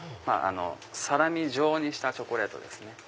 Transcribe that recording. サラミ状にしたチョコレートですね。